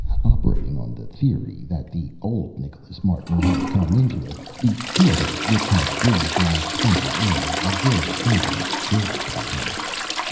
Operating on the theory that the old Nicholas Martin had come into it, the theater, which had breathed an expensive air of luxurious confidence, chilled toward him.